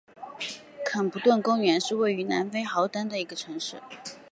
肯普顿公园是位于南非豪登省的一个城市。